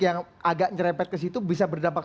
yang agak nyerempet ke situ bisa berdampak